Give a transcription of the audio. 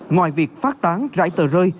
ngoài việc phát tán rãi tờ rơi